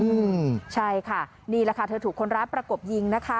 อืมใช่ค่ะนี่แหละค่ะเธอถูกคนร้ายประกบยิงนะคะ